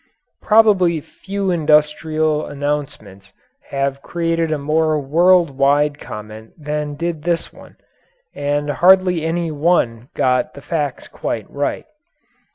Probably few industrial announcements have created a more world wide comment than did this one, and hardly any one got the facts quite right.